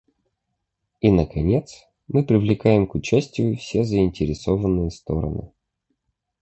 И, наконец, мы привлекаем к участию все заинтересованные стороны.